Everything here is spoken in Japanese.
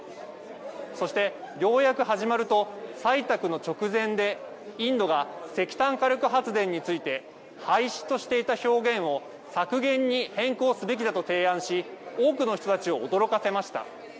そしてようやく始まると、採択の直前でインドが石炭火力発電について、廃止としていた表現を、削減に変更すべきだと提案し、多くの人たちを驚かせました。